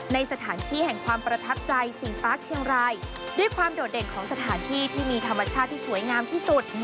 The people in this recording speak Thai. ในสถานที่แห่งความประทับใจสีฟ้าเชียงรายด้วยความโดดเด่นของสถานที่ที่มีธรรมชาติที่สวยงามที่สุด